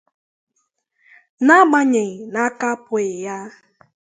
n’agbanyeghị na aka apụghị ya